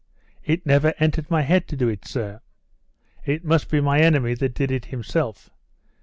"It never entered my head to do it, sir. It must be my enemy that did it himself.